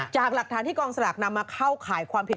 จากหลักฐานที่กองสลากนำมาเข้าข่ายความผิด